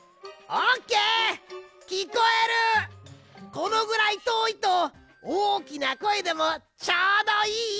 このぐらいとおいとおおきなこえでもちょうどいい。